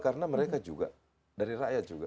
karena mereka juga dari rakyat juga